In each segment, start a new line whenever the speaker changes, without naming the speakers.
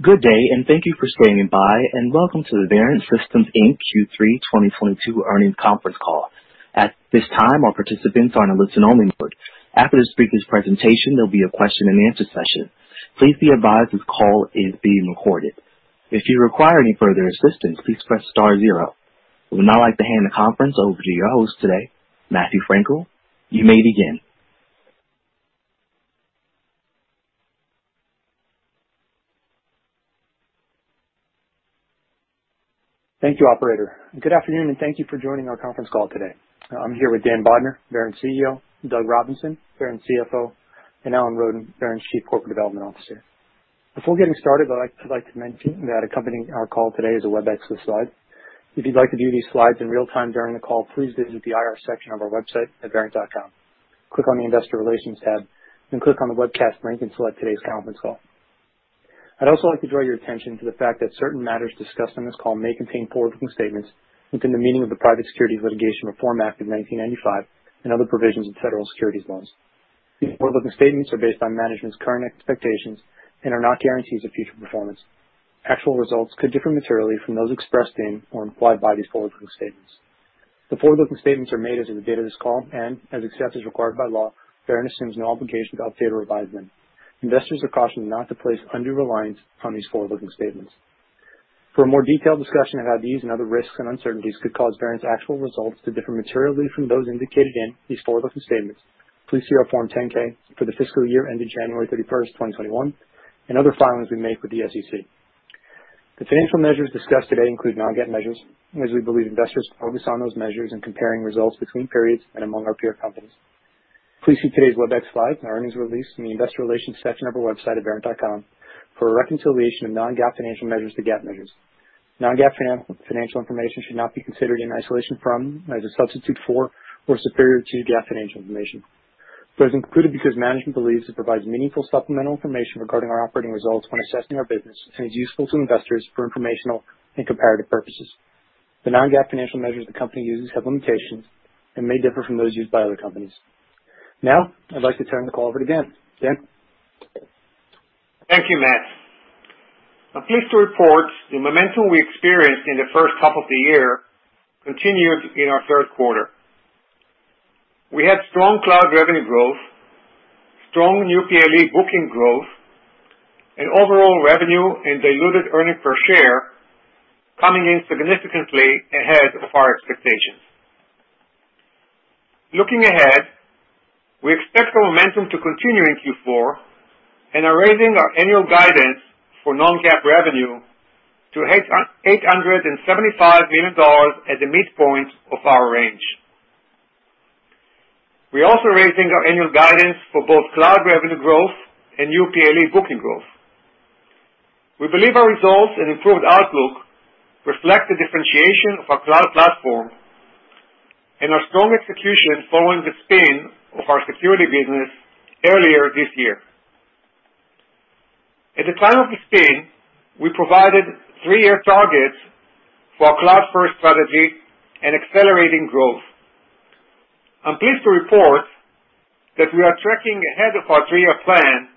Good day, and thank you for standing by, and welcome to The Verint Systems Inc. Q3 2022 Earnings Conference Call. At this time, all participants are in a listen-only mode. After the speaker's presentation, there'll be a question-and-answer session. Please be advised this call is being recorded. If you require any further assistance, please press star zero. I would now like to hand the conference over to your host today, Matthew Frankel. You may begin.
Thank you, operator. Good afternoon, and thank you for joining our conference call today. I'm here with Dan Bodner, Verint CEO, Doug Robinson, Verint CFO, and Alan Roden, Verint's Chief Corporate Development Officer. Before getting started, I like to mention that accompanying our call today is a Webex slide. If you'd like to view these slides in real time during the call, please visit the IR section of our website at verint.com. Click on the Investor Relations tab, then click on the Webcast link and select today's conference call. I'd also like to draw your attention to the fact that certain matters discussed on this call may contain forward-looking statements within the meaning of the Private Securities Litigation Reform Act of 1995 and other provisions of federal securities laws. These forward-looking statements are based on management's current expectations and are not guarantees of future performance. Actual results could differ materially from those expressed in or implied by these forward-looking statements. The forward-looking statements are made as of the date of this call and except as required by law, Verint assumes no obligation to update or revise them. Investors are cautioned not to place undue reliance on these forward-looking statements. For a more detailed discussion of how these and other risks and uncertainties could cause Verint's actual results to differ materially from those indicated in these forward-looking statements, please see our Form 10-K for the fiscal year ending January 31, 2021, and other filings we make with the SEC. The financial measures discussed today include non-GAAP measures as we believe investors focus on those measures in comparing results between periods and among our peer companies. Please see today's Webex slides and earnings release in the investor relations section of our website at verint.com for a reconciliation of non-GAAP financial measures to GAAP measures. Non-GAAP financial information should not be considered in isolation from, as a substitute for, or superior to GAAP financial information. It's included because management believes it provides meaningful supplemental information regarding our operating results when assessing our business and is useful to investors for informational and comparative purposes. The non-GAAP financial measures the company uses have limitations and may differ from those used by other companies. Now, I'd like to turn the call over to Dan. Dan?
Thank you Matt. I'm pleased to report the momentum we experienced in the first half of the year continued in our third quarter. We had strong cloud revenue growth, strong new PLE booking growth, and overall revenue and diluted earnings per share coming in significantly ahead of our expectations. Looking ahead, we expect the momentum to continue in Q4 and are raising our annual guidance for non-GAAP revenue to $875 million at the midpoint of our range. We're also raising our annual guidance for both cloud revenue growth and new PLE booking growth. We believe our results and improved outlook reflect the differentiation of our cloud platform and our strong execution following the spin of our security business earlier this year. At the time of the spin, we provided three-year targets for our cloud-first strategy and accelerating growth. I'm pleased to report that we are tracking ahead of our 3-year plan.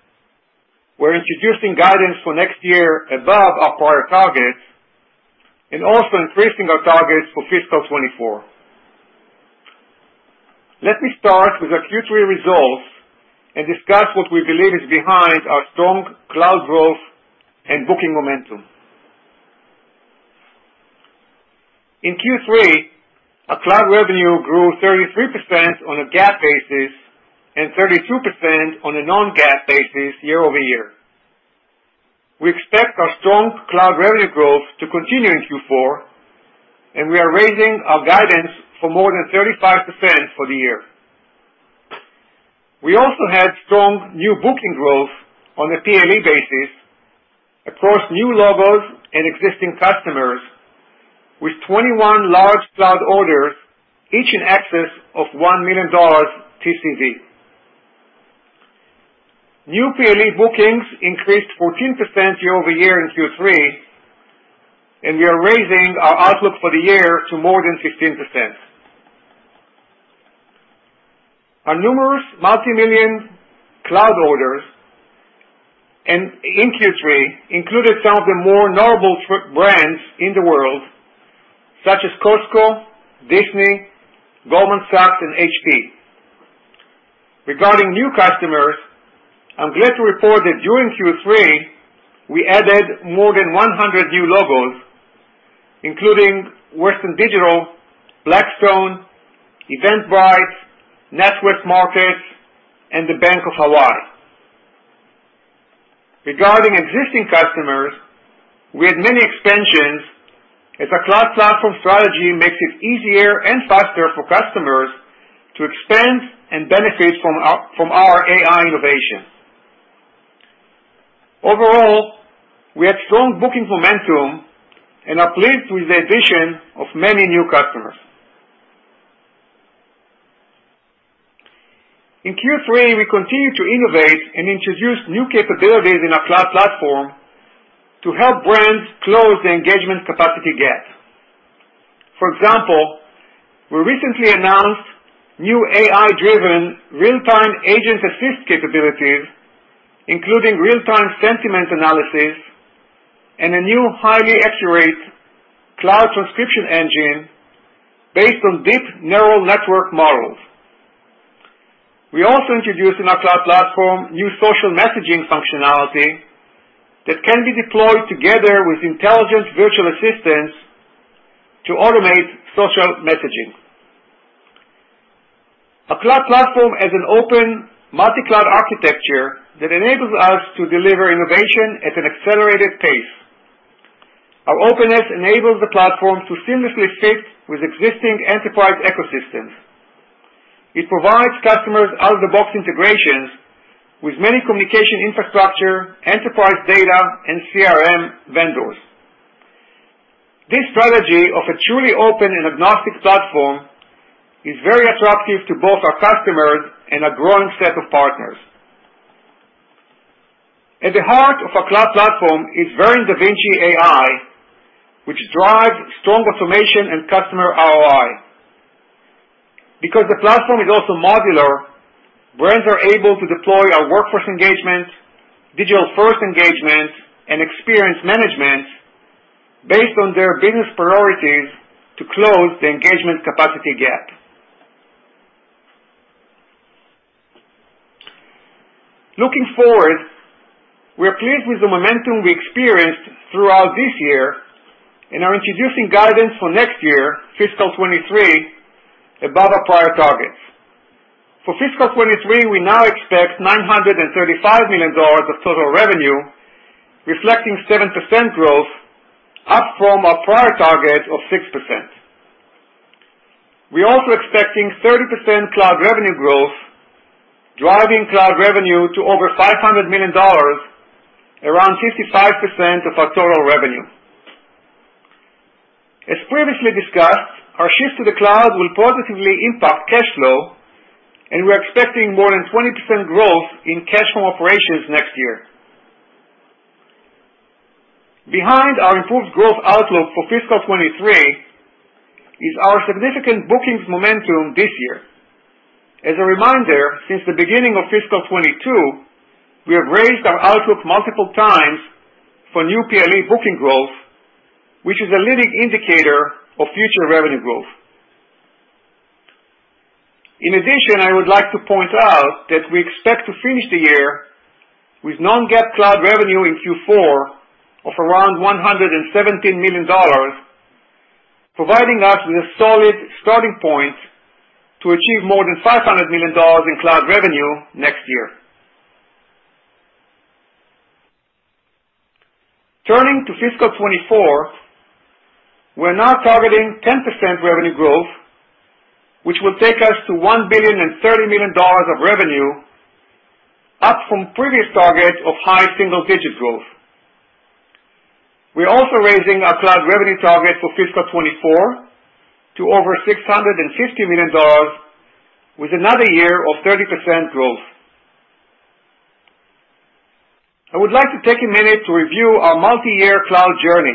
We're introducing guidance for next year above our prior targets and also increasing our targets for fiscal 2024. Let me start with our Q3 results and discuss what we believe is behind our strong cloud growth and booking momentum. In Q3, our cloud revenue grew 33% on a GAAP basis and 32% on a non-GAAP basis year-over-year. We expect our strong cloud revenue growth to continue in Q4, and we are raising our guidance for more than 35% for the year. We also had strong new booking growth on a PLE basis across new logos and existing customers with 21 large cloud orders, each in excess of $1 million TCV. New PLE bookings increased 14% year-over-year in Q3, and we are raising our outlook for the year to more than 15%. Our numerous multi-million cloud orders in Q3 included some of the more notable brands in the world, such as Costco, Disney, Goldman Sachs, and HP. Regarding new customers, I'm glad to report that during Q3 we added more than 100 new logos, including Western Digital, Blackstone, Eventbrite, NatWest Markets, and the Bank of Hawaii. Regarding existing customers, we had many expansions as our cloud platform strategy makes it easier and faster for customers to expand and benefit from our AI innovations. Overall, we had strong booking momentum and are pleased with the addition of many new customers. In Q3, we continued to innovate and introduce new capabilities in our cloud platform to help brands close the engagement capacity gap. For example, we recently announced new AI-driven real-time agent assist capabilities, including real-time sentiment analysis and a new highly accurate cloud transcription engine based on deep neural network models. We also introduced in our cloud platform new social messaging functionality that can be deployed together with intelligent virtual assistants to automate social messaging. Our cloud platform has an open multi-cloud architecture that enables us to deliver innovation at an accelerated pace. Our openness enables the platform to seamlessly fit with existing enterprise ecosystems. It provides customers out-of-the-box integrations with many communication infrastructure, enterprise data, and CRM vendors. This strategy of a truly open and agnostic platform is very attractive to both our customers and a growing set of partners. At the heart of our cloud platform is Verint Da Vinci AI, which drives strong automation and customer ROI. Because the platform is also modular, brands are able to deploy our workforce engagement, digital first engagement, and experience management based on their business priorities to close the engagement capacity gap. Looking forward, we are pleased with the momentum we experienced throughout this year and are introducing guidance for next year, fiscal 2023, above our prior targets. For fiscal 2023, we now expect $935 million of total revenue, reflecting 7% growth, up from our prior target of 6%. We're also expecting 30% cloud revenue growth, driving cloud revenue to over $500 million, around 55% of our total revenue. As previously discussed, our shift to the cloud will positively impact cash flow, and we're expecting more than 20% growth in cash from operations next year. Behind our improved growth outlook for fiscal 2023 is our significant bookings momentum this year. As a reminder, since the beginning of fiscal 2022, we have raised our outlook multiple times for new PLE booking growth, which is a leading indicator of future revenue growth. In addition, I would like to point out that we expect to finish the year with non-GAAP cloud revenue in Q4 of around $117 million, providing us with a solid starting point to achieve more than $500 million in cloud revenue next year. Turning to fiscal 2024, we're now targeting 10% revenue growth, which will take us to $1.03 billion of revenue, up from previous targets of high single-digit growth. We're also raising our cloud revenue target for fiscal 2024 to over $650 million with another year of 30% growth. I would like to take a minute to review our multi-year cloud journey.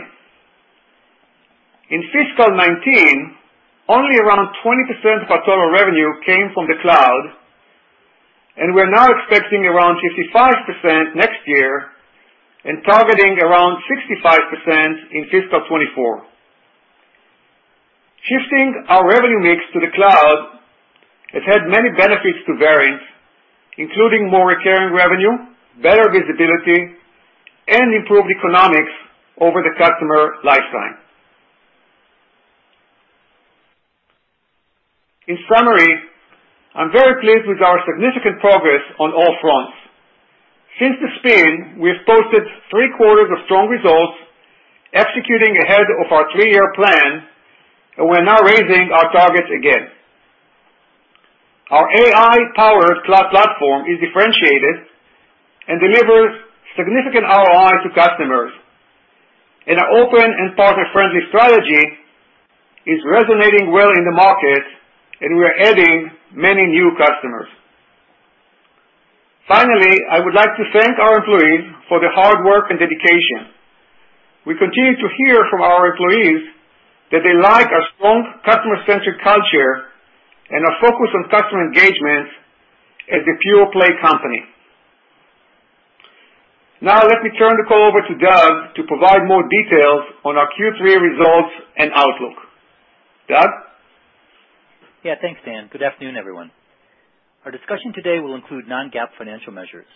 In fiscal 2019, only around 20% of our total revenue came from the cloud, and we're now expecting around 55% next year and targeting around 65% in fiscal 2024. Shifting our revenue mix to the cloud has had many benefits to Verint, including more recurring revenue, better visibility, and improved economics over the customer lifetime. In summary, I'm very pleased with our significant progress on all fronts. Since the spin, we have posted three quarters of strong results, executing ahead of our three-year plan, and we're now raising our targets again. Our AI-powered cloud platform is differentiated and delivers significant ROI to customers, and our open and partner-friendly strategy is resonating well in the market, and we are adding many new customers. Finally, I would like to thank our employees for their hard work and dedication. We continue to hear from our employees that they like our strong customer-centric culture and our focus on customer engagement as a pure play company. Now, let me turn the call over to Doug to provide more details on our Q3 results and outlook. Doug?
Yeah, thanks, Dan. Good afternoon, everyone. Our discussion today will include non-GAAP financial measures.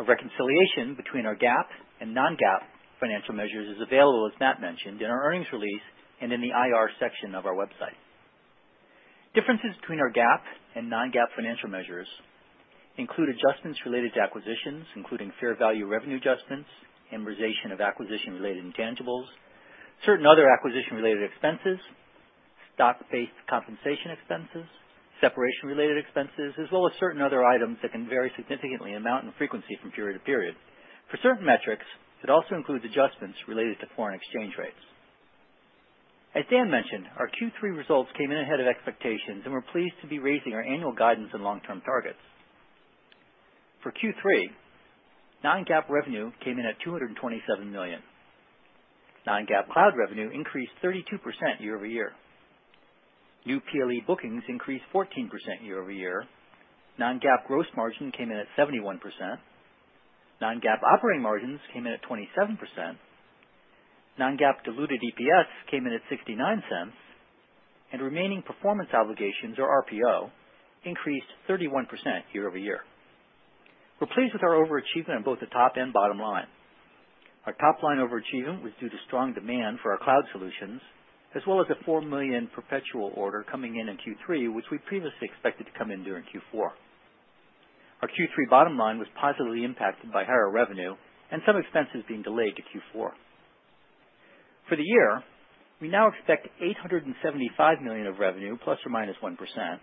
A reconciliation between our GAAP and non-GAAP financial measures is available, as Matt mentioned, in our earnings release and in the IR section of our website. Differences between our GAAP and non-GAAP financial measures include adjustments related to acquisitions, including fair value revenue adjustments, amortization of acquisition-related intangibles, certain other acquisition-related expenses, stock-based compensation expenses, separation-related expenses, as well as certain other items that can vary significantly in amount and frequency from period to period. For certain metrics, it also includes adjustments related to foreign exchange rates. As Dan mentioned, our Q3 results came in ahead of expectations, and we're pleased to be raising our annual guidance and long-term targets. For Q3, non-GAAP revenue came in at $227 million. Non-GAAP cloud revenue increased 32% year-over-year. New PLE bookings increased 14% year over year. Non-GAAP gross margin came in at 71%. Non-GAAP operating margins came in at 27%. Non-GAAP diluted EPS came in at $0.69, and remaining performance obligations, or RPO, increased 31% year over year. We're pleased with our overachievement on both the top and bottom line. Our top line overachievement was due to strong demand for our cloud solutions, as well as a $4 million perpetual order coming in in Q3, which we previously expected to come in during Q4. Our Q3 bottom line was positively impacted by higher revenue and some expenses being delayed to Q4. For the year, we now expect $875 million of revenue ±1%,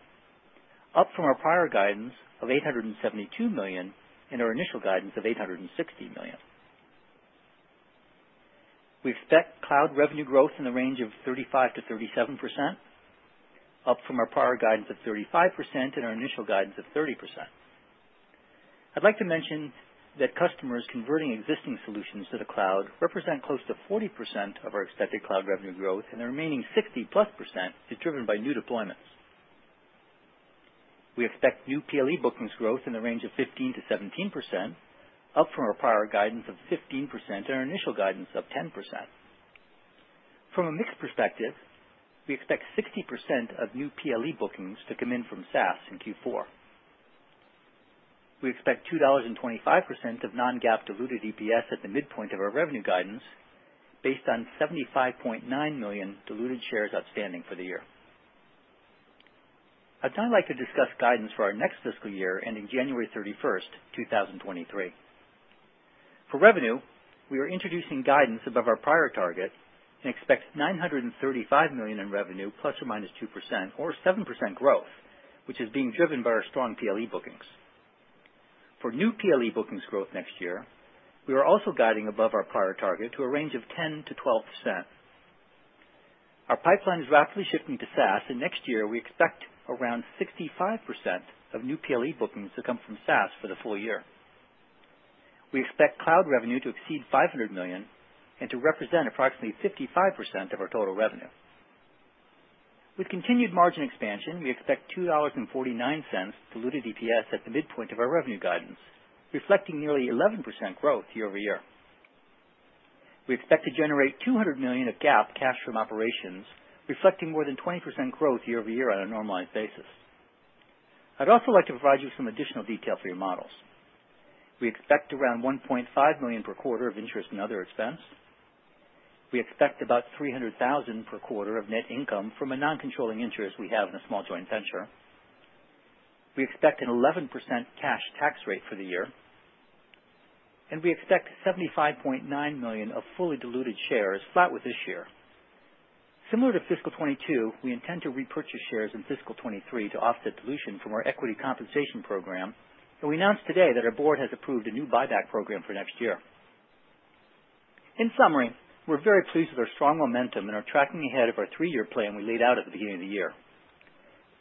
up from our prior guidance of $872 million and our initial guidance of $860 million. We expect cloud revenue growth in the range of 35%-37%, up from our prior guidance of 35% and our initial guidance of 30%. I'd like to mention that customers converting existing solutions to the cloud represent close to 40% of our expected cloud revenue growth, and the remaining 60+% determined by new deployments. We expect new PLE bookings growth in the range of 15%-17%, up from our prior guidance of 15% and our initial guidance of 10%. From a mix perspective, we expect 60% of new PLE bookings to come in from SaaS in Q4. We expect $2.25 of non-GAAP diluted EPS at the midpoint of our revenue guidance based on 75.9 million diluted shares outstanding for the year. At this time I'd like to discuss guidance for our next fiscal year ending January 31, 2023. For revenue, we are introducing guidance above our prior target and expect $935 million in revenue, ±2% or 7% growth, which is being driven by our strong PLE bookings. For new PLE bookings growth next year, we are also guiding above our prior target to a range of 10%-12%. Our pipeline is rapidly shifting to SaaS, and next year we expect around 65% of new PLE bookings to come from SaaS for the full year. We expect cloud revenue to exceed $500 million and to represent approximately 55% of our total revenue. With continued margin expansion, we expect $2.49 diluted EPS at the midpoint of our revenue guidance, reflecting nearly 11% growth year-over-year. We expect to generate $200 million of GAAP cash from operations, reflecting more than 20% growth year-over-year on a normalized basis. I'd also like to provide you some additional detail for your models. We expect around $1.5 million per quarter of interest and other expense. We expect about $300,000 per quarter of net income from a non-controlling interest we have in a small joint venture. We expect an 11% cash tax rate for the year, and we expect 75.9 million of fully diluted shares flat with this year. Similar to fiscal 2022, we intend to repurchase shares in fiscal 2023 to offset dilution from our equity compensation program, and we announced today that our board has approved a new buyback program for next year. In summary, we're very pleased with our strong momentum and are tracking ahead of our three-year plan we laid out at the beginning of the year.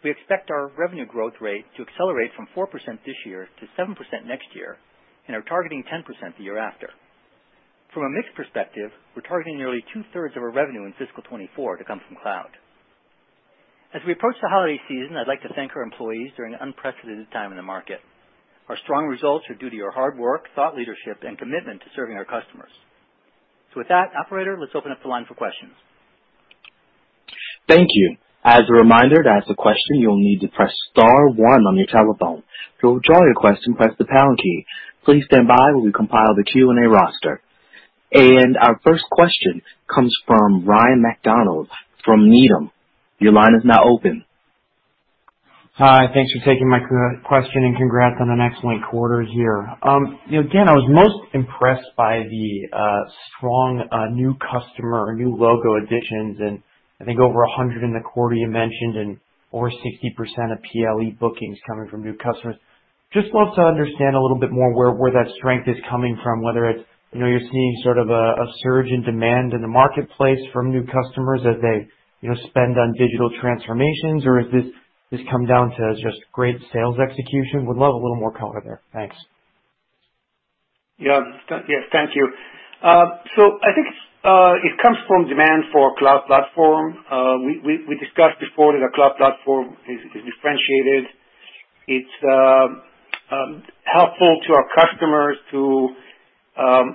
We expect our revenue growth rate to accelerate from 4% this year to 7% next year and are targeting 10% the year after. From a mix perspective, we're targeting nearly two-thirds of our revenue in fiscal 2024 to come from cloud. As we approach the holiday season, I'd like to thank our employees during an unprecedented time in the market. Our strong results are due to your hard work, thought leadership, and commitment to serving our customers. With that, operator, let's open up the line for questions.
Thank you. As a reminder, to ask a question, you'll need to press star one on your telephone. To withdraw your question, press the pound key. Please stand by while we compile the Q&A roster. Our first question comes from Ryan MacDonald from Needham. Your line is now open.
Hi, thanks for taking my question, and congrats on an excellent quarter here. You know, again, I was most impressed by the strong new customer, new logo additions and I think over 100 in the quarter you mentioned and over 60% of PLE bookings coming from new customers. Just love to understand a little bit more where that strength is coming from, whether it's you know, you're seeing sort of a surge in demand in the marketplace from new customers as they you know, spend on digital transformations, or is this come down to just great sales execution? Would love a little more color there. Thanks.
Yes. Thank you. I think it comes from demand for cloud platform. We discussed before that the cloud platform is differentiated. It's helpful to our customers to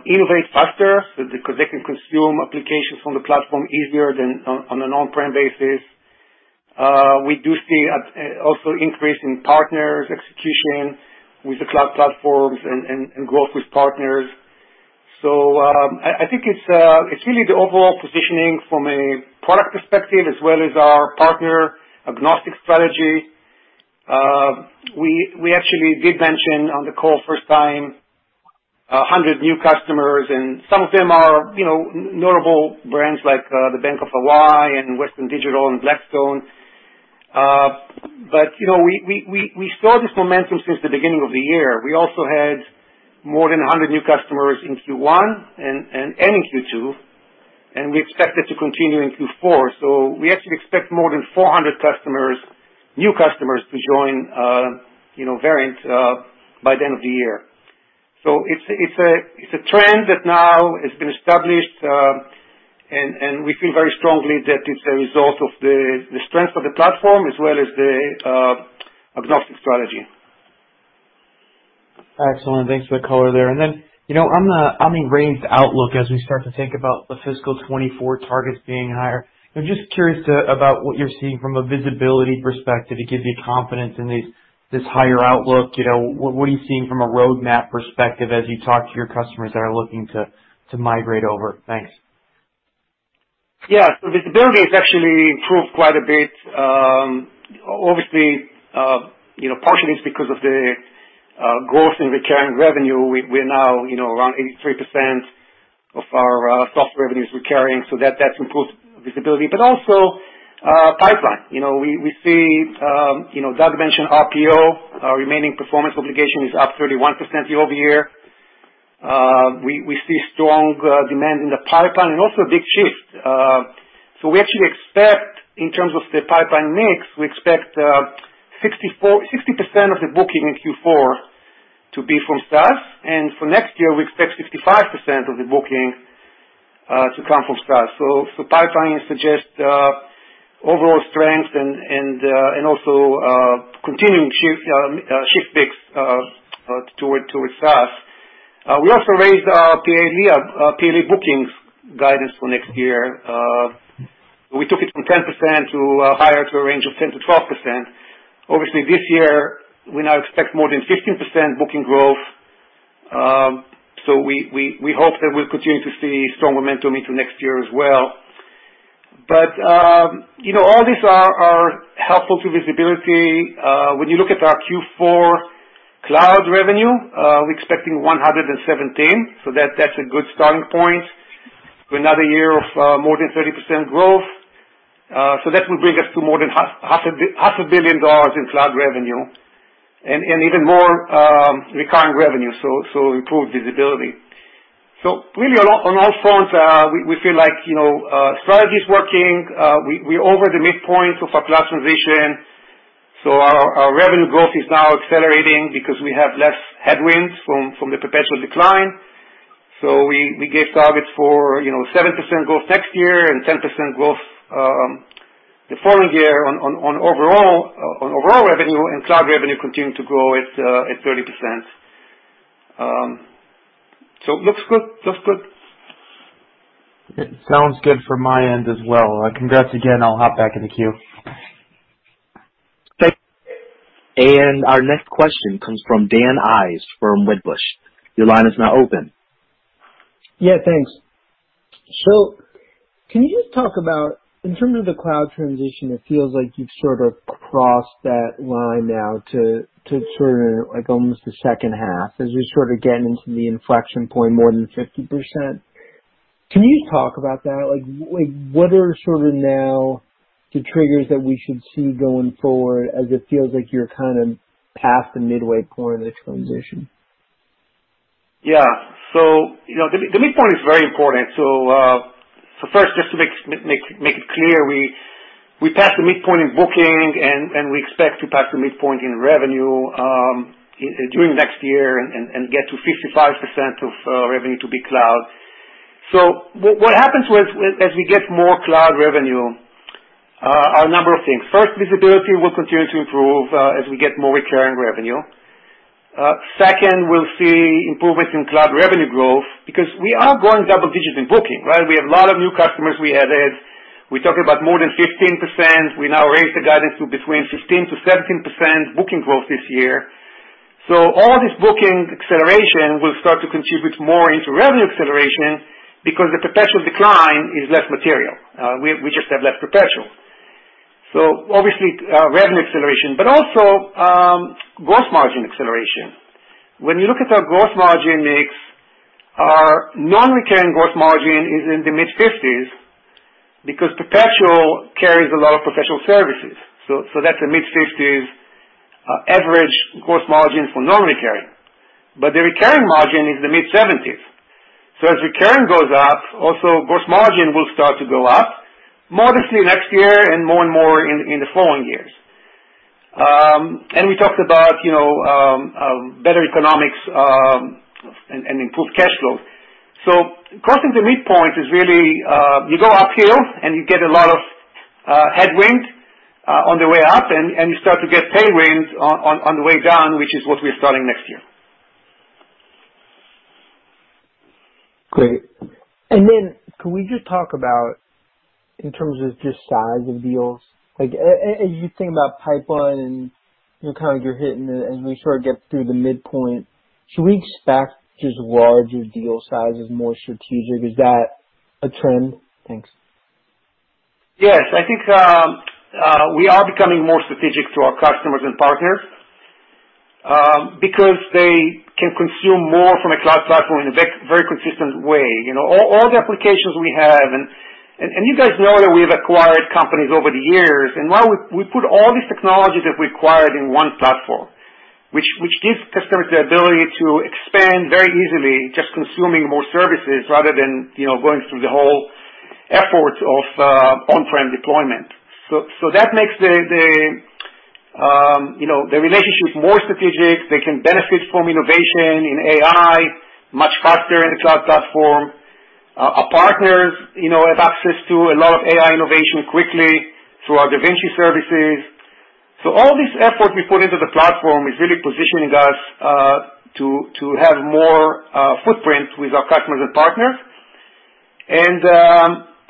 innovate faster so that they can consume applications from the platform easier than on an on-prem basis. We do see also an increase in partners' execution with the cloud platforms and growth with partners. I think it's really the overall positioning from a product perspective as well as our partner agnostic strategy. We actually did mention on the call for the first time, 100 new customers, and some of them are, you know, notable brands like the Bank of Hawaii and Western Digital and Blackstone. We saw this momentum since the beginning of the year. We also had more than 100 new customers in Q1 and in Q2. We expect it to continue into four. We actually expect more than 400 customers, new customers to join, you know, Verint by the end of the year. It's a trend that now has been established, and we feel very strongly that it's a result of the strength of the platform as well as the agnostic strategy.
Excellent. Thanks for the color there. Then, you know, on Verint's outlook as we start to think about the fiscal 2024 targets being higher, I'm just curious about what you're seeing from a visibility perspective that gives you confidence in this higher outlook. You know, what are you seeing from a roadmap perspective as you talk to your customers that are looking to migrate over? Thanks.
Yeah. Visibility has actually improved quite a bit. Obviously, you know, partially it's because of the growth in recurring revenue. We're now, you know, around 83% of our software revenues recurring, so that improves visibility. Pipeline. You know, we see Doug mentioned RPO. Our remaining performance obligation is up 31% year-over-year. We see strong demand in the pipeline and also a big shift. We actually expect in terms of the pipeline mix 60% of the booking in Q4 to be from SaaS. For next year, we expect 65% of the booking to come from SaaS. Pipeline suggests overall strength and also continuing shift toward SaaS. We also raised our PLE bookings guidance for next year. We took it from 10% to higher to a range of 10%-12%. Obviously this year, we now expect more than 15% booking growth. We hope that we'll continue to see strong momentum into next year as well. You know, all these are helpful to visibility. When you look at our Q4 cloud revenue, we're expecting $117 million, so that's a good starting point for another year of more than 30% growth. That will bring us to more than half a billion dollars in cloud revenue and even more recurring revenue. Improved visibility. Really on all fronts, we feel like, you know, our strategy is working. We're over the midpoint of our cloud transition, so our revenue growth is now accelerating because we have less headwinds from the perpetual decline. We gave targets for, you know, 7% growth next year and 10% growth the following year on overall revenue and cloud revenue continuing to grow at 30%. Looks good.
It sounds good from my end as well. Congrats again. I'll hop back in the queue.
Thank you.
Our next question comes from Dan Ives from Wedbush. Your line is now open.
Yeah, thanks. Can you just talk about, in terms of the cloud transition, it feels like you've sort of crossed that line now to sort of like almost the second half as you're sort of getting into the inflection point more than 50%. Can you talk about that? Like, what are sort of now the triggers that we should see going forward as it feels like you're kind of past the midway point of this transition?
Yeah. You know, the midpoint is very important. First, just to make it clear, we passed the midpoint in booking and we expect to pass the midpoint in revenue during next year and get to 55% of revenue to be cloud. What happens as we get more cloud revenue are a number of things. First, visibility will continue to improve as we get more recurring revenue. Second, we'll see improvements in cloud revenue growth because we are growing double digits in booking, right? We have a lot of new customers we added. We're talking about more than 15%. We now raised the guidance to between 15%-17% booking growth this year. All this booking acceleration will start to contribute more into revenue acceleration because the perpetual decline is less material. We just have less perpetual. Obviously, revenue acceleration, but also, gross margin acceleration. When you look at our gross margin mix, our non-recurring gross margin is in the mid-50s because perpetual carries a lot of professional services. That's a mid-50s average gross margin for non-recurring. But the recurring margin is the mid-70s. As recurring goes up, also gross margin will start to go up modestly next year and more and more in the following years. We talked about, you know, better economics, and improved cash flows. Crossing the midpoint is really, you go uphill and you get a lot of headwind on the way up and you start to get tailwinds on the way down, which is what we're starting next year.
Great. Could we just talk about in terms of just size of deals, like as you think about pipeline and, you know, kind of you're hitting as we sort of get through the midpoint, should we expect just larger deal sizes, more strategic? Is that a trend? Thanks.
Yes. I think we are becoming more strategic to our customers and partners because they can consume more from a cloud platform in a very consistent way. You know, all the applications we have and you guys know that we have acquired companies over the years and now we put all these technologies that we acquired in one platform. Which gives customers the ability to expand very easily, just consuming more services rather than, you know, going through the whole effort of on-prem deployment. That makes the relationships more strategic. They can benefit from innovation in AI much faster in the cloud platform. Our partners, you know, have access to a lot of AI innovation quickly through our Da Vinci services. All this effort we put into the platform is really positioning us to have more footprint with our customers and partners.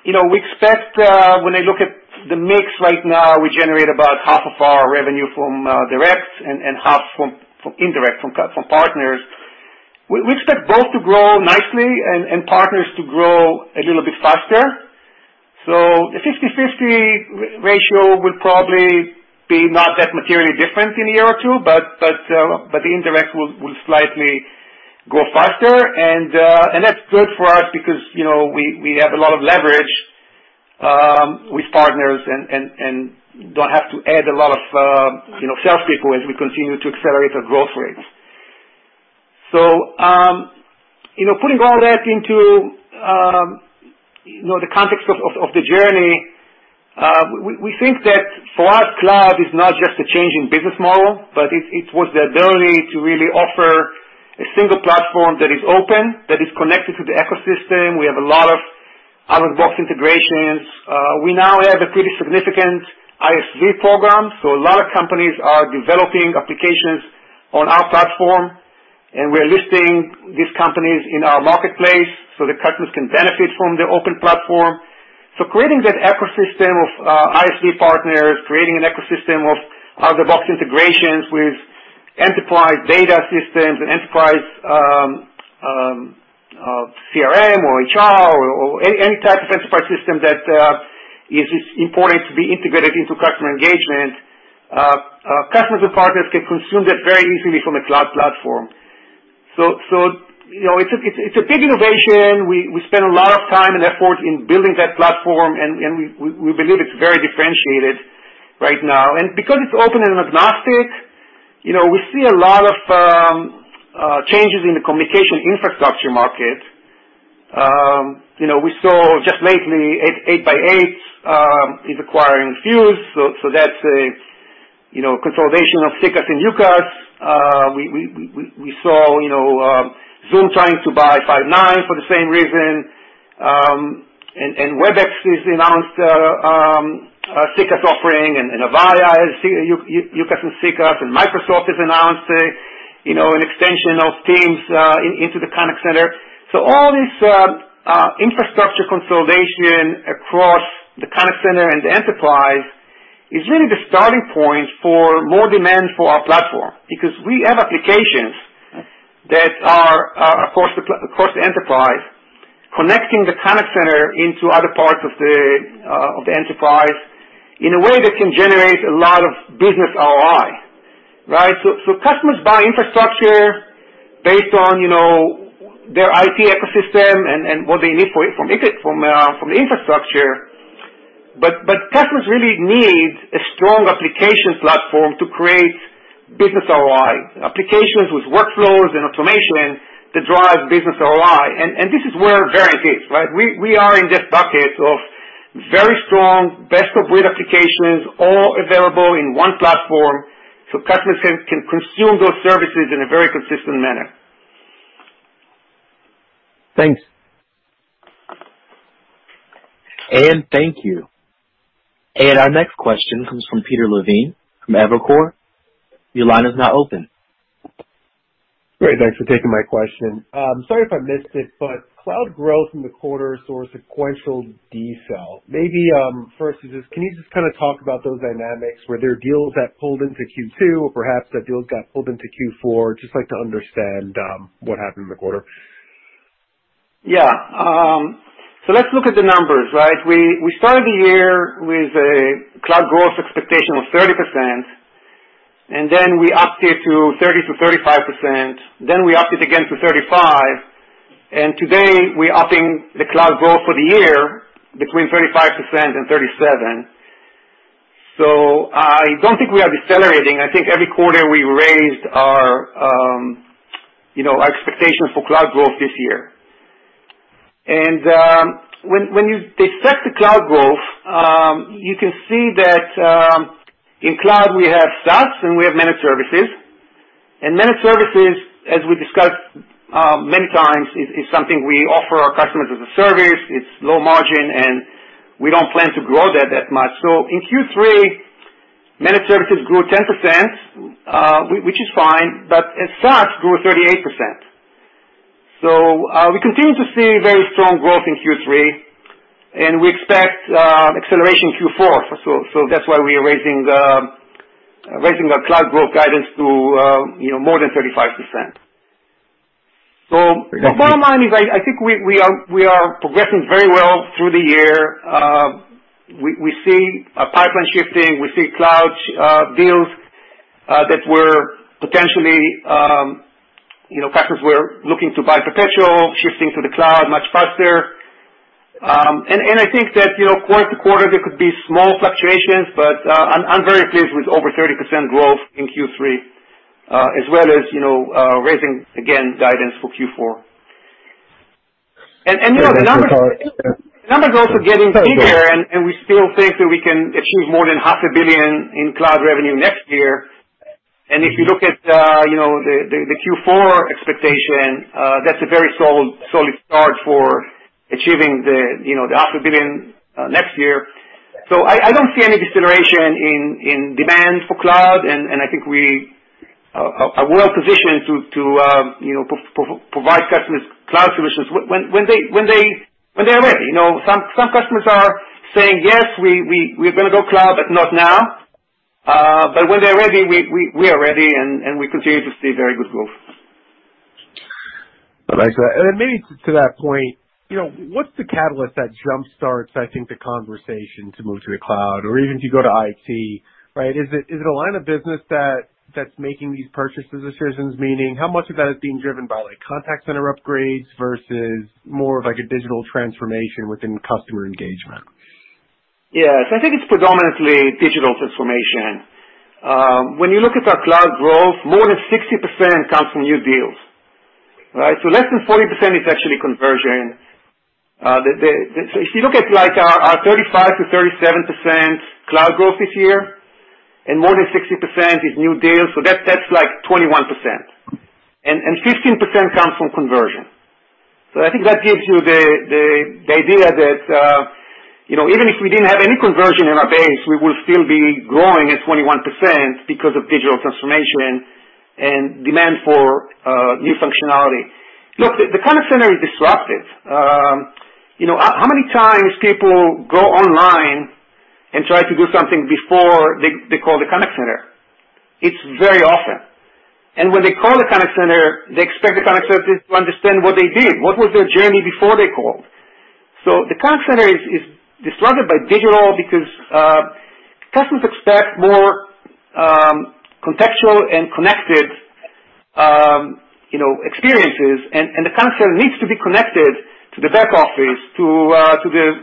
You know, we expect when I look at the mix right now, we generate about half of our revenue from direct and half from indirect from partners. We expect both to grow nicely and partners to grow a little bit faster. The 50-50 ratio will probably be not that materially different in a year or two, but the indirect will slightly go faster and that's good for us because you know, we have a lot of leverage with partners and don't have to add a lot of you know, sales people as we continue to accelerate our growth rates. You know, putting all that into the context of the journey, we think that for us, cloud is not just a change in business model, but it was the ability to really offer a single platform that is open, that is connected to the ecosystem. We have a lot of out-of-the-box integrations. We now have a pretty significant ISV program, so a lot of companies are developing applications on our platform, and we're listing these companies in our marketplace so the customers can benefit from the open platform. Creating that ecosystem of ISV partners, creating an ecosystem of out-of-the-box integrations with enterprise data systems and enterprise CRM or HR or any type of enterprise system that is important to be integrated into customer engagement. Customers and partners can consume that very easily from a cloud platform. You know, it's a big innovation. We spend a lot of time and effort in building that platform and we believe it's very differentiated right now. Because it's open and agnostic, you know, we see a lot of changes in the communication infrastructure market. You know, we saw just lately 8x8 is acquiring Fuze. That's a consolidation of CCaaS and UCaaS. We saw, you know, Zoom trying to buy Five9 for the same reason. Webex has announced a CCaaS offering and Avaya, a UCaaS and CCaaS, and Microsoft has announced, you know, an extension of Teams into the contact center. All this infrastructure consolidation across the contact center and the enterprise is really the starting point for more demand for our platform. Because we have applications that are across the enterprise, connecting the contact center into other parts of the enterprise in a way that can generate a lot of business ROI, right? Customers buy infrastructure based on, you know, their IT ecosystem and what they need for it from the infrastructure, but customers really need a strong applications platform to create business ROI. Applications with workflows and automation to drive business ROI. This is where Verint is, right? We are in this bucket of very strong best-of-breed applications, all available in one platform, so customers can consume those services in a very consistent manner.
Thanks.
Thank you. Our next question comes from Peter Levine from Evercore. Your line is now open.
Great. Thanks for taking my question. Sorry if I missed it, but cloud growth in the quarter saw a sequential decel. Maybe first just can you just kinda talk about those dynamics. Were there deals that pulled into Q2 or perhaps the deals got pulled into Q4? Just like to understand what happened in the quarter.
Yeah. So let's look at the numbers, right? We started the year with a cloud growth expectation of 30%, and then we upped it to 30%-35%, then we upped it again to 35%, and today we're upping the cloud growth for the year between 35% and 37%. I don't think we are decelerating. I think every quarter we raised our, you know, our expectations for cloud growth this year. When you dissect the cloud growth, you can see that, in cloud we have SaaS and we have managed services. Managed services, as we discussed, many times is something we offer our customers as a service. It's low margin, and we don't plan to grow that much. In Q3, managed services grew 10%, which is fine, but in SaaS grew 38%. We continue to see very strong growth in Q3, and we expect acceleration in Q4. That's why we are raising our cloud growth guidance to, you know, more than 35%. The bottom line is I think we are progressing very well through the year. We see a pipeline shifting. We see cloud deals that were potentially, you know, customers were looking to buy perpetual, shifting to the cloud much faster, and I think that, you know, quarter to quarter, there could be small fluctuations, but I'm very pleased with over 30% growth in Q3, as well as, you know, raising again guidance for Q4. You know, the numbers are also getting bigger and we still think that we can achieve more than $ half a billion in cloud revenue next year. If you look at, you know, the Q4 expectation, that's a very solid start for achieving, you know, the half a billion next year. I don't see any deceleration in demand for cloud. I think we are well-positioned to, you know, provide customers cloud solutions when they are ready. You know, some customers are saying, "Yes, we're gonna go cloud, but not now." But when they're ready, we are ready and we continue to see very good growth.
I'd like to add. Maybe to that point, you know, what's the catalyst that jumpstarts, I think, the conversation to move to the cloud or even to go to IT, right? Is it a line of business that's making these purchase decisions? Meaning, how much of that is being driven by, like, contact center upgrades versus more of like a digital transformation within customer engagement?
Yes. I think it's predominantly digital transformation. When you look at our cloud growth, more than 60% comes from new deals, right? Less than 40% is actually conversion. If you look at, like, our 35%-37% cloud growth this year, and more than 60% is new deals, so that's like 21%. 15% comes from conversion. I think that gives you the idea that, you know, even if we didn't have any conversion in our base, we will still be growing at 21% because of digital transformation and demand for new functionality. Look, the contact center is disruptive. You know, how many times people go online and try to do something before they call the contact center? It's very often. When they call the contact center, they expect the contact center to understand what they did, what was their journey before they called. The contact center is disrupted by digital because customers expect more contextual and connected you know experiences. The contact center needs to be connected to the back office to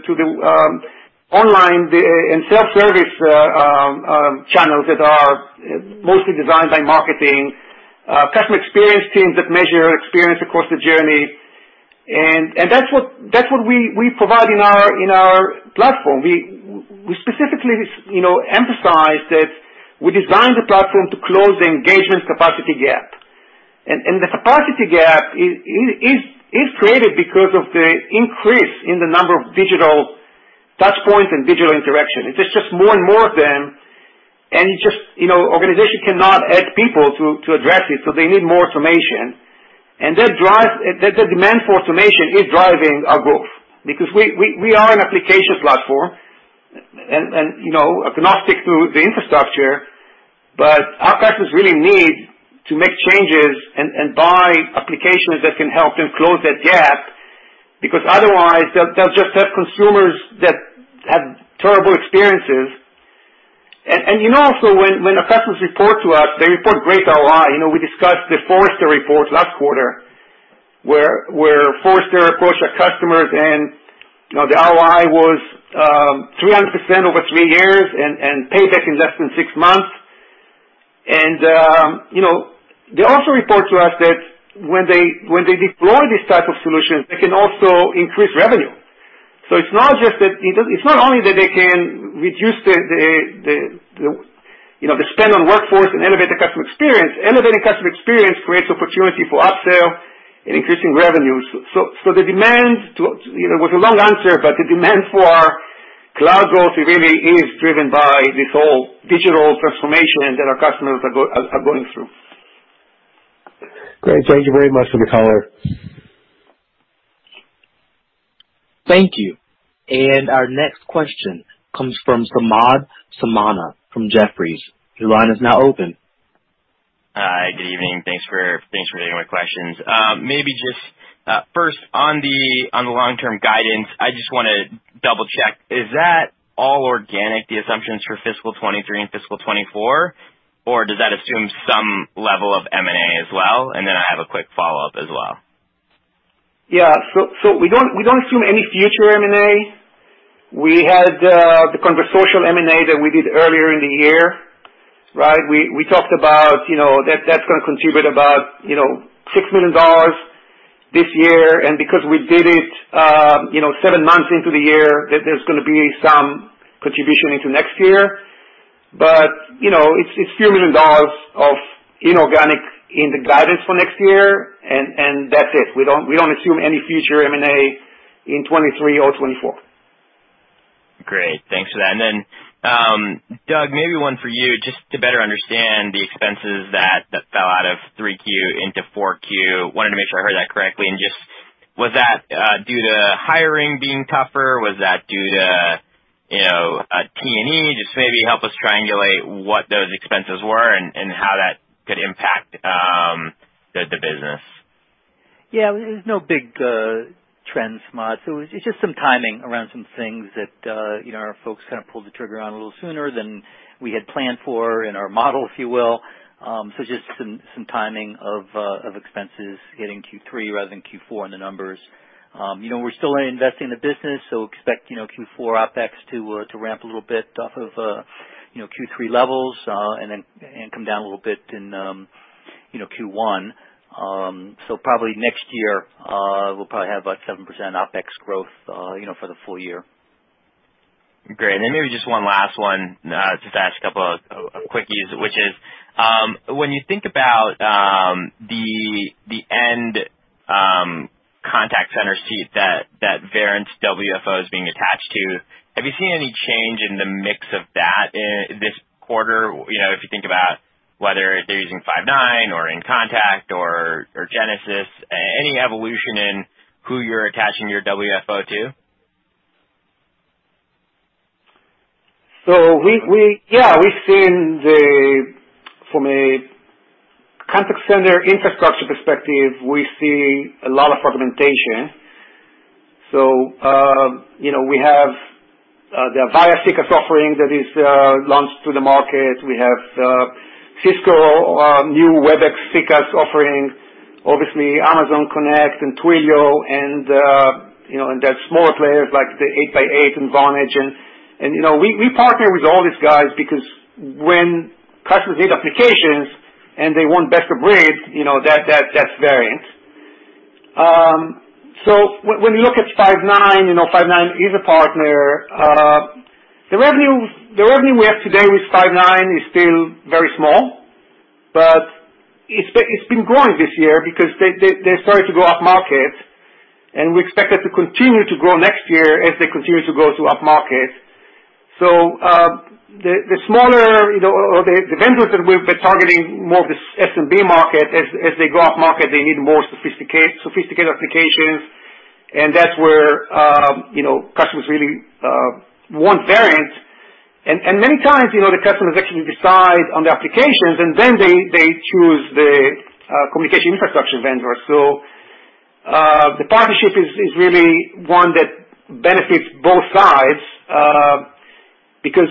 the online and self-service channels that are mostly designed by marketing customer experience teams that measure experience across the journey. That's what we provide in our platform. We specifically you know emphasize that we designed the platform to close the engagement capacity gap. The capacity gap is created because of the increase in the number of digital touchpoints and digital interaction. It's just more and more of them. Just, you know, organization cannot add people to address it, so they need more information. That drive, the demand for information is driving our growth because we are an application platform and, you know, agnostic to the infrastructure, but our customers really need to make changes and buy applications that can help them close that gap because otherwise they'll just have consumers that have terrible experiences. You know also when our customers report to us, they report great ROI. You know, we discussed the Forrester report last quarter, where Forrester approached our customers and, you know, the ROI was 300% over three years and payback in less than six months. You know, they also report to us that when they deploy these type of solutions, they can also increase revenue. It's not only that they can reduce the spend on workforce and elevate the customer experience. Elevating customer experience creates opportunity for upsell and increasing revenues. The demand, too, you know, it was a long answer, but the demand for our cloud growth really is driven by this whole digital transformation that our customers are going through.
Great. Thank you very much for the color.
Thank you. Our next question comes from Samad Samana from Jefferies. Your line is now open.
Hi. Good evening. Thanks for taking my questions. Maybe just first on the long-term guidance, I just wanna double-check. Is that all organic, the assumptions for fiscal 2023 and fiscal 2024, or does that assume some level of M&A as well? Then I have a quick follow-up as well.
Yeah. We don't assume any future M&A. We had the Conversocial M&A that we did earlier in the year, right? We talked about, you know, that that's gonna contribute about, you know, $6 million this year. Because we did it, you know, seven months into the year, that there's gonna be some contribution into next year. You know, it's few million dollars of inorganic in the guidance for next year and that's it. We don't assume any future M&A in 2023 or 2024.
Great. Thanks for that. Doug maybe one for you, just to better understand the expenses that fell out of 3Q into 4Q. Wanted to make sure I heard that correctly. Just was that due to hiring being tougher? Was that due to, you know, T&E? Just maybe help us triangulate what those expenses were and how that could impact the business.
Yeah. There's no big trends, Samad. It's just some timing around some things that, you know, our folks kind of pulled the trigger on a little sooner than we had planned for in our model, if you will. Just some timing of expenses hitting Q3 rather than Q4 in the numbers. You know, we're still investing in the business, so expect, you know, Q4 OpEx to ramp a little bit off of, you know, Q3 levels, and then come down a little bit in, you know, Q1. Probably next year, we'll probably have about 7% OpEx growth, you know, for the full year.
Great. Then maybe just one last one. Just ask a couple of quickies, which is, when you think about, the end contact center seat that Verint's WFO is being attached to, have you seen any change in the mix of that in this quarter? You know, if you think about whether they're using Five9 or inContact or Genesys. Any evolution in who you're attaching your WFO to?
From a contact center infrastructure perspective, we see a lot of fragmentation. You know, we have the Avaya offering that is launched to the market. We have Cisco new Webex CCaaS offering, obviously Amazon Connect and Twilio and you know, and there are smaller players like the 8x8 and Vonage and you know, we partner with all these guys because when customers need applications and they want best of breed, you know, that's Verint. When you look at Five9, you know, Five9 is a partner. The revenue we have today with Five9 is still very small, but it's been growing this year because they started to go up market, and we expect it to continue to grow next year as they continue to go up market. The smaller, you know, or the vendors that we've been targeting more of the SMB market, as they go up market, they need more sophisticated applications. That's where, you know, customers really want Verint. Many times, you know, the customers actually decide on the applications and then they choose the communication infrastructure vendor. The partnership is really one that benefits both sides because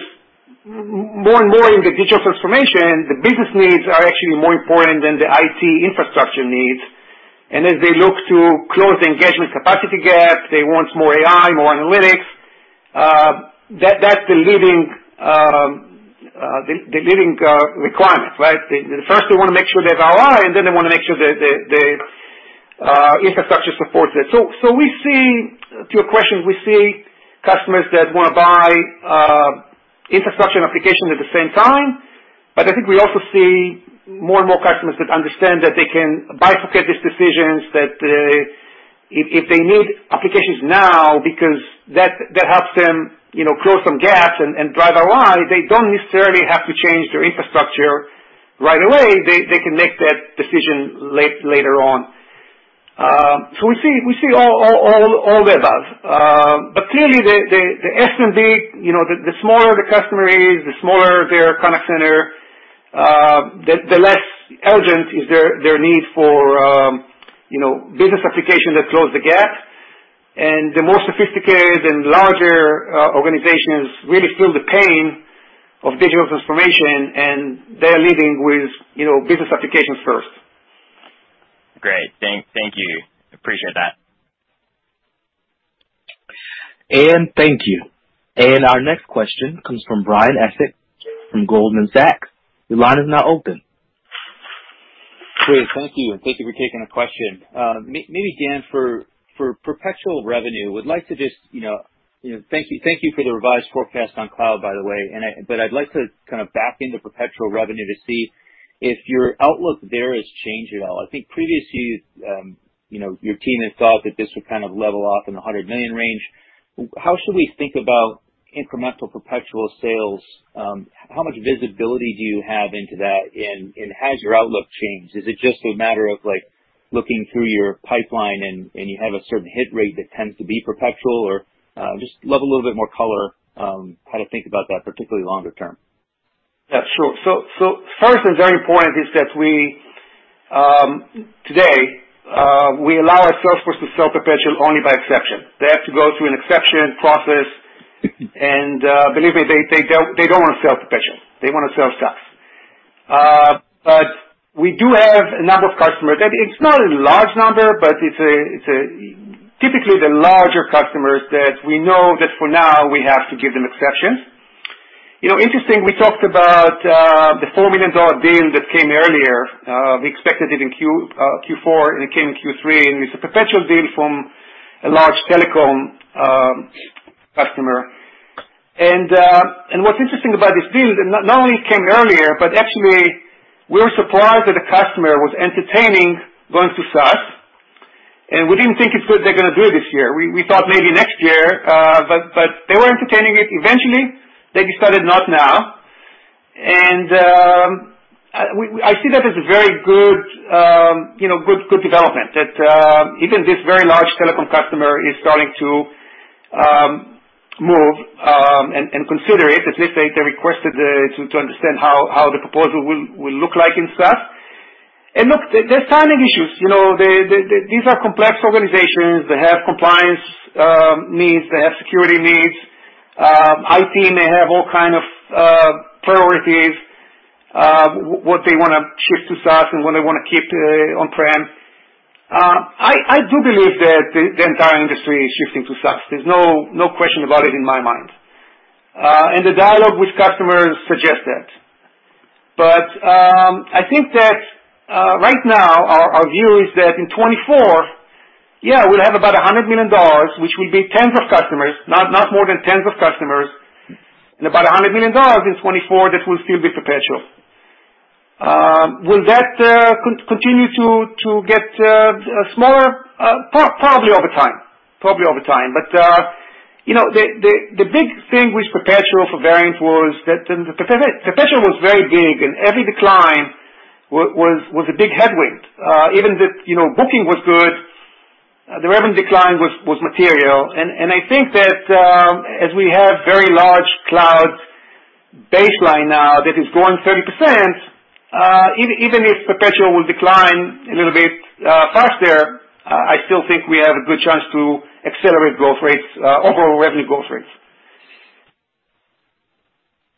more and more in the digital transformation, the business needs are actually more important than the IT infrastructure needs. As they look to close the engagement capacity gap, they want more AI, more analytics. That's the leading requirement, right? They first want to make sure they have ROI, and then they want to make sure that the infrastructure supports it. To your question, we see customers that want to buy infrastructure and application at the same time, but I think we also see more and more customers that understand that they can bifurcate these decisions, that if they need applications now because that helps them, you know, close some gaps and drive ROI, they don't necessarily have to change their infrastructure right away. They can make that decision later on. We see all the above. Clearly the SMB, you know, the smaller the customer is, the smaller their contact center, the less urgent is their need for, you know, business application that close the gap. The more sophisticated and larger organizations really feel the pain of digital transformation, and they're leading with, you know, business applications first.
Great. Thank you. Appreciate that.
Ian, thank you. Our next question comes from Brian Essex from Goldman Sachs. Your line is now open.
Great. Thank you. Thank you for taking a question. Maybe Dan for perpetual revenue would like to just. Thank you for the revised forecast on cloud, by the way. I'd like to kind of back into perpetual revenue to see if your outlook there has changed at all. I think previously, your team had thought that this would kind of level off in the $100 million range. How should we think about incremental perpetual sales? How much visibility do you have into that? Has your outlook changed? Is it just a matter of looking through your pipeline and you have a certain hit rate that tends to be perpetual? Or, just love a little bit more color, how to think about that, particularly longer term.
First and very important is that we today allow our sales force to sell perpetual only by exception. They have to go through an exception process. Believe me, they don't wanna sell perpetual, they wanna sell SaaS. But we do have a number of customers that. It's not a large number, but it's a typically the larger customers that we know that for now we have to give them exceptions. You know, interesting, we talked about the $4 million deal that came earlier. We expected it in Q4, and it came in Q3, and it's a perpetual deal from a large telecom customer. What's interesting about this deal, it not only came earlier, but actually we were surprised that a customer was entertaining going to SaaS. We didn't think it was they're gonna do it this year. We thought maybe next year, but they were entertaining it. Eventually, they decided not now. I see that as a very good, you know, good development that even this very large telecom customer is starting to move and consider it. At least they requested to understand how the proposal will look like in SaaS. Look, there's timing issues. These are complex organizations. They have compliance needs. They have security needs. IT may have all kind of priorities, what they wanna shift to SaaS and what they wanna keep on-prem. I do believe that the entire industry is shifting to SaaS. There's no question about it in my mind. The dialogue with customers suggest that. I think that right now our view is that in 2024, yeah, we'll have about $100 million, which will be tens of customers, not more than tens of customers, and about $100 million in 2024 that will still be perpetual. Will that continue to get smaller? Probably over time. You know, the big thing with perpetual for Verint was that. The perpetual was very big, and every decline was a big headwind. Even if, you know, booking was good, the revenue decline was material. I think that as we have very large cloud's baseline now that is growing 30%, even if perpetual will decline a little bit faster, I still think we have a good chance to accelerate growth rates overall revenue growth rates.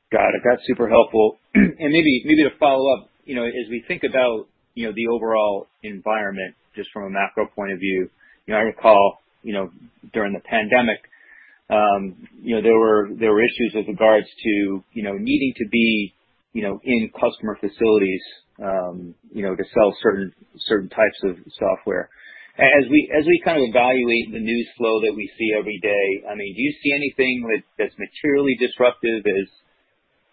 Got it. That's super helpful. Maybe to follow up, you know, as we think about, you know, the overall environment just from a macro point of view, you know, I recall, you know, during the pandemic, there were issues with regards to, you know, needing to be, you know, in customer facilities, to sell certain types of software. As we kind of evaluate the news flow that we see every day, I mean, do you see anything that's materially disruptive as,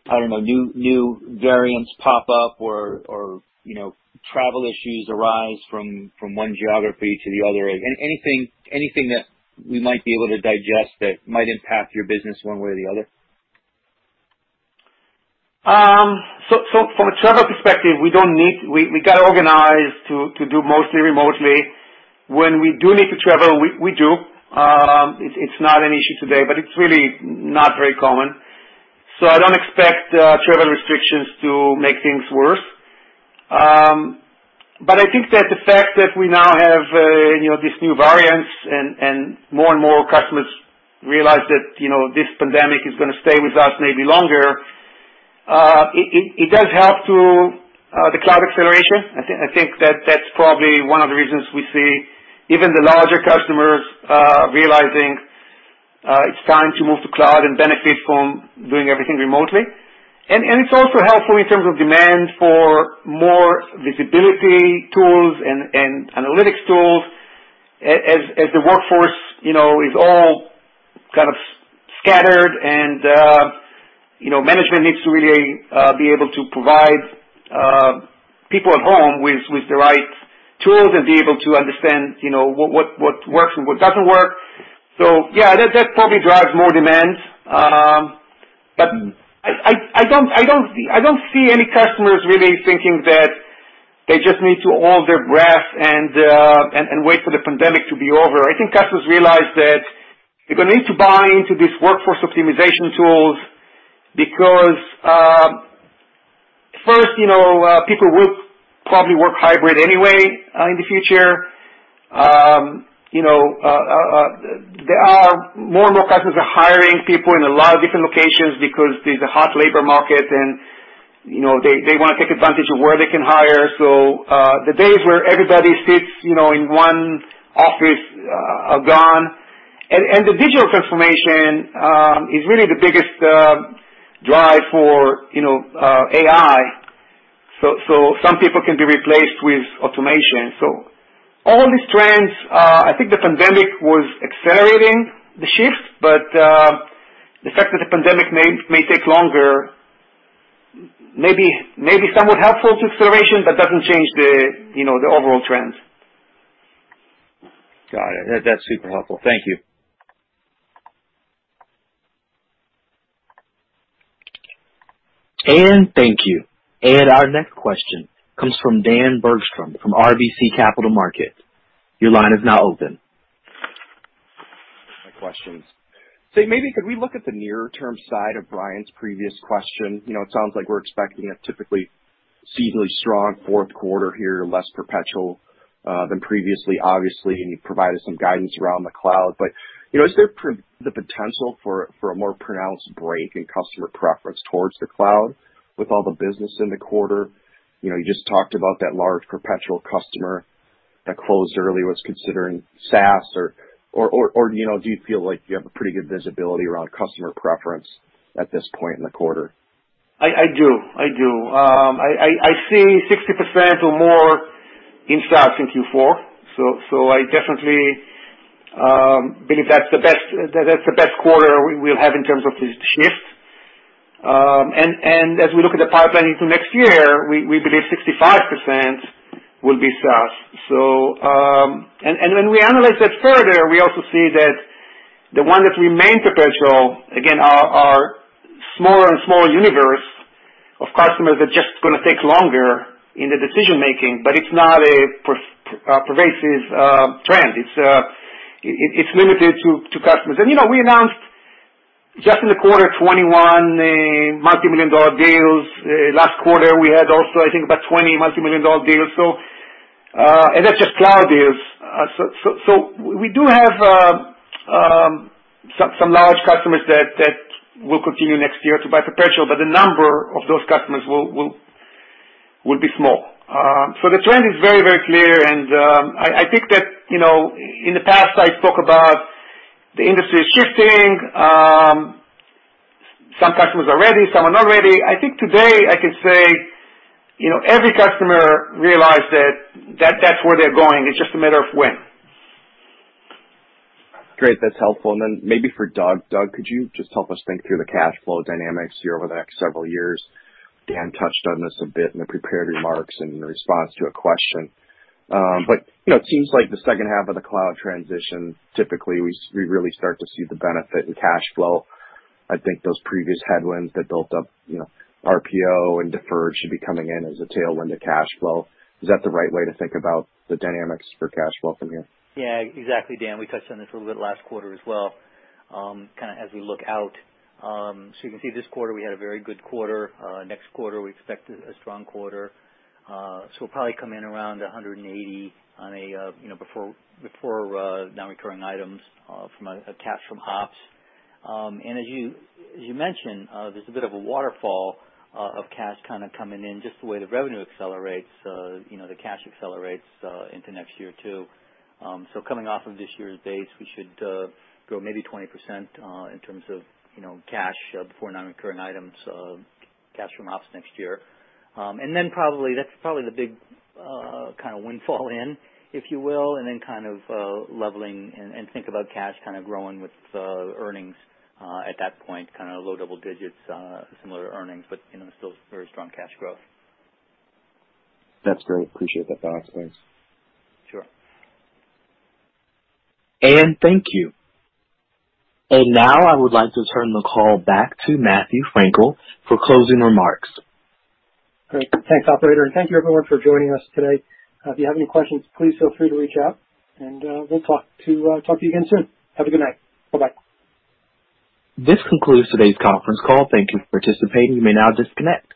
I don't know, new variants pop up or, you know, travel issues arise from one geography to the other? Anything that we might be able to digest that might impact your business one way or the other?
From a travel perspective, we got organized to do mostly remotely. When we do need to travel, we do. It's not an issue today. It's really not very common. I don't expect travel restrictions to make things worse. I think that the fact that we now have, you know, these new variants and more and more customers realize that, you know, this pandemic is gonna stay with us maybe longer, it does help to the cloud acceleration. I think that that's probably one of the reasons we see even the larger customers realizing it's time to move to cloud and benefit from doing everything remotely. It's also helpful in terms of demand for more visibility tools and analytics tools as the workforce, you know, is all kind of scattered and, you know, management needs to really be able to provide people at home with the right tools and be able to understand, you know, what works and what doesn't work. Yeah, that probably drives more demand. I don't see any customers really thinking that they just need to hold their breath and wait for the pandemic to be over. I think customers realize that they're gonna need to buy into these workforce optimization tools because, first, you know, people will probably work hybrid anyway in the future. You know, there are more and more customers are hiring people in a lot of different locations because there's a hot labor market and, you know, they wanna take advantage of where they can hire. The days where everybody sits, you know, in one office are gone. The digital transformation is really the biggest drive for, you know, AI. Some people can be replaced with automation. All these trends, I think the pandemic was accelerating the shift, but the fact that the pandemic may take longer, maybe somewhat helpful to acceleration, but doesn't change, you know, the overall trends.
Got it. That's super helpful. Thank you.
Thank you. Our next question comes from Dan Bergstrom from RBC Capital Markets. Your line is now open.
My questions. Maybe could we look at the near term side of Brian's previous question? You know, it sounds like we're expecting a typically seasonally strong fourth quarter here, less perpetual than previously. Obviously, you provided some guidance around the cloud. You know, is there the potential for a more pronounced break in customer preference towards the cloud with all the business in the quarter? You know, you just talked about that large perpetual customer that closed early was considering SaaS or, you know, do you feel like you have a pretty good visibility around customer preference at this point in the quarter?
I do. I see 60% or more in SaaS in Q4. I definitely believe that's the best quarter we will have in terms of this shift. As we look at the pipeline into next year, we believe 65% will be SaaS. When we analyze that further, we also see that the ones that remain perpetual are a smaller and smaller universe of customers that just gonna take longer in the decision making, but it's not a pervasive trend. It's limited to customers. You know, we announced just in the quarter 21 multimillion dollar deals. Last quarter we had also, I think, about 20 multimillion dollar deals. That's just cloud deals. We do have some large customers that will continue next year to buy perpetual, but the number of those customers will be small. The trend is very clear and, I think that, you know, in the past I spoke about the industry is shifting. Some customers are ready, some are not ready. I think today I can say, you know, every customer realized that that's where they're going. It's just a matter of when.
Great, that's helpful. Maybe for Doug. Doug, could you just help us think through the cash flow dynamics here over the next several years? Dan touched on this a bit in the prepared remarks and in response to a question. You know, it seems like the second half of the cloud transition, typically, we really start to see the benefit in cash flow. I think those previous headwinds that built up, you know, RPO and deferred should be coming in as a tailwind to cash flow. Is that the right way to think about the dynamics for cash flow from here?
Yeah, exactly, Dan. We touched on this a little bit last quarter as well, kind of as we look out. You can see this quarter, we had a very good quarter. Next quarter, we expect a strong quarter. We'll probably come in around $180, you know, before non-recurring items, from cash from ops. As you mentioned, there's a bit of a waterfall of cash kinda coming in. Just the way the revenue accelerates, you know, the cash accelerates into next year too. Coming off of this year's base, we should grow maybe 20%, in terms of, you know, cash before non-recurring items of cash from ops next year. That's probably the big kind of windfall in, if you will, and then kind of leveling and think about cash kind of growing with earnings at that point, kind of low double digits, similar earnings, but you know, still very strong cash growth.
That's great. Appreciate that, Doug. Thanks.
Sure.
Thank you. Now I would like to turn the call back to Matthew Frankel for closing remarks.
Great. Thanks, operator, and thank you everyone for joining us today. If you have any questions, please feel free to reach out. We'll talk to you again soon. Have a good night. Bye-bye.
This concludes today's conference call. Thank you for participating. You may now disconnect.